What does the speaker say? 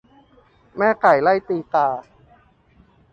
แม่ไก่ไล่ตีกา